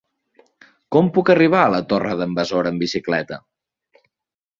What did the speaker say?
Com puc arribar a la Torre d'en Besora amb bicicleta?